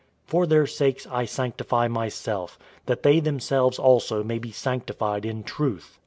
017:019 For their sakes I sanctify myself, that they themselves also may be sanctified in truth.